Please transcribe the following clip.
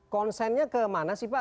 konsennya kemana sih pak